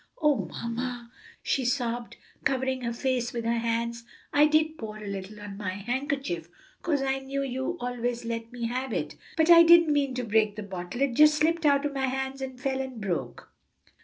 "O mamma!" she sobbed, covering her face with her hands, "I did pour a little on my handkerchief 'cause I knew you always let me have it, but I didn't mean to break the bottle; it just slipped out o' my hands and fell and broke."